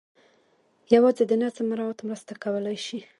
یوازې د نظم مراعات مرسته کولای شي.